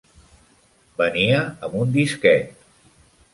Venia amb un disquet.